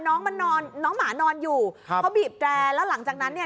น้องมันนอนน้องหมานอนอยู่ครับเขาบีบแตรแล้วหลังจากนั้นเนี่ย